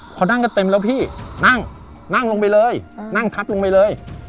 พอนั่งกันเต็มแล้วพี่นั่งนั่งลงไปเลยนั่งทับลงไปเลย